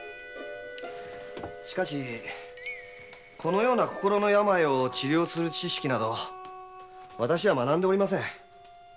しかしこのような心の病を治療する知識など私は学んでおりません。